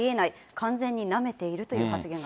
完全になめているという発言があ